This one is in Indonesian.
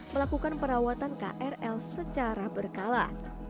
melakukan perawatan krl secara berkala